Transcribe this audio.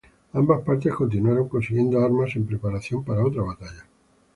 Ambas partes continuaron consiguiendo armas en preparación para otra batalla.